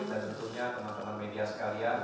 dan tentunya teman teman media sekalian